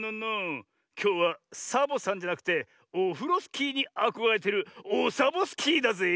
きょうはサボさんじゃなくてオフロスキーにあこがれてるオサボスキーだぜえ。